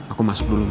aku masuk dulu ma